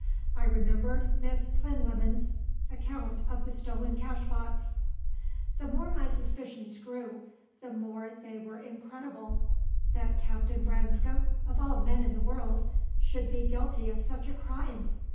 I remembered Miss Plinlimmon's account of the stolen cashbox. The more my suspicions grew, the more they were incredible. That Captain Branscome, of all men in the world, should be guilty of such a crime!